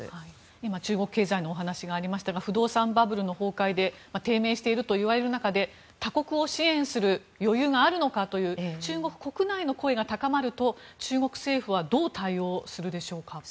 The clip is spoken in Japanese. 今、中国経済のお話がありましたが不動産バブルの崩壊で低迷しているといわれる中で他国を支援する余裕があるのかという中国国内の声が高まると中国政府はどう対応するでしょうか。